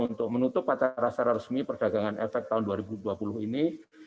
untuk menutup acara secara resmi perdagangan efek tahun dua ribu dua puluh ini